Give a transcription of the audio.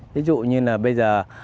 ví dụ như là bây giờ